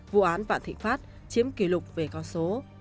vụ án vạn thị pháp chiếm kỷ lục về con số